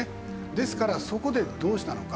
ですからそこでどうしたのか。